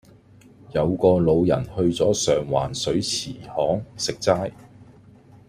有個老人去左上環水池巷食齋